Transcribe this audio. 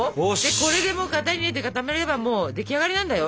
これでもう型に入れて固めればもう出来上がりなんだよ。